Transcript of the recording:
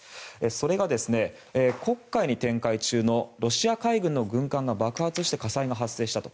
それが黒海に展開中のロシア海軍の軍艦が爆発して火災が発生したと。